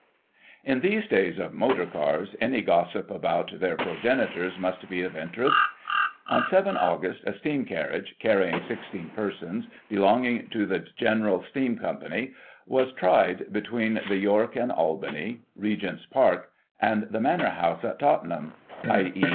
In these days of Motor Cars, any gossip about their pro genitors must be of interest. On 7 Aug., a steam carriage, carrying 16 persons, belonging to the General Steam Company, was tried between the York and Albany, Regent's Park, and the Manor House at Tottenham — i.e.